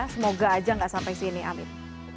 semoga aja nggak sampai sini amin